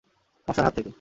মশার হাত থেকে।